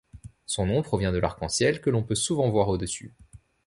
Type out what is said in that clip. Son nom provient de l'arc-en-ciel que l'on peut souvent voir au-dessus.